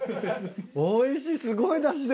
おいしい。